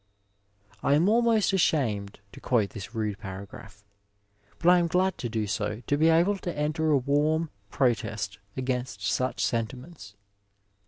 I am almost ashamed to quote this rude paragraph, but I am glad to do so to be able to enter a warm protest against such sentiments.